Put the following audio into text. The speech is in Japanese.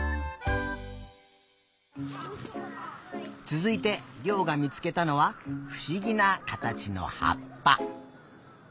つづいてりょうがみつけたのはふしぎなかたちのはっぱ。